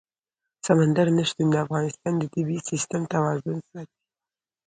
سمندر نه شتون د افغانستان د طبعي سیسټم توازن ساتي.